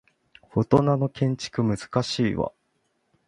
フォトナの建築難しいわ